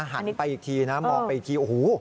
หันไปอีกทีนะมองไปอีกทีโอ้โห